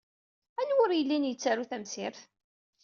Anwa ur yellin yettaru tamsirt?